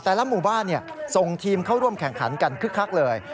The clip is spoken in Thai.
แต่ละหมู่บ้านส่งทีมเข้าร่วมแข่งขันกันคึกคักเลย